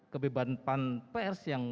kebebanan pers yang